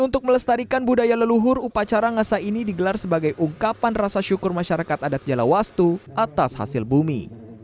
untuk melestarikan budaya leluhur upacara ngasa ini digelar sebagai ungkapan rasa syukur masyarakat adat jalawastu atas hasil bumi